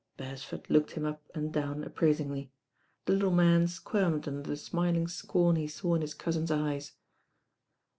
Bercsford looked him up and down appraitingly. The little man squirmed under the smiling scorn he saw in his cousin's eyes.